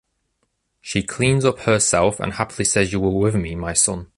She cleans up herself and happily says you were with me, my son?